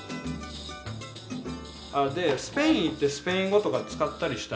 でスペイン行ってスペイン語とか使ったりした？